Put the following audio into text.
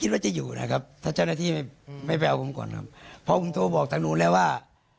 ถ้าเจ้าหน้าที่ไม่ไปออกมาก่อนครับเพราะผมโทรบอกตรงนู้นแล้วว่า